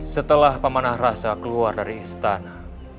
setelah pamanarasa keluar dari istana